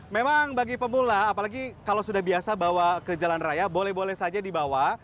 memang bagi pemula apalagi kalau sudah biasa bawa ke jalan raya boleh boleh saja dibawa